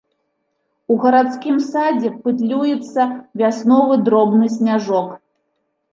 У гарадскім садзе пытлюецца вясновы дробны сняжок.